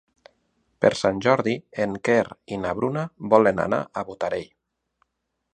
Per Sant Jordi en Quer i na Bruna volen anar a Botarell.